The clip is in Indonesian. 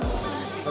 sampai sekarang belum